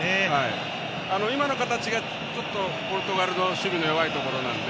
今の形が、ちょっとポルトガルの守備の弱いところなので。